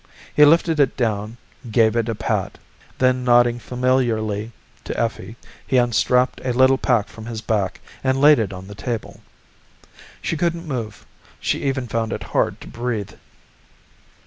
He lifted it down, gave it a pat. Then, nodding familiarly to Effie, he unstrapped a little pack from his back and laid it on the table. She couldn't move. She even found it hard to breathe.